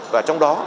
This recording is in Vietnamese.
và trong đó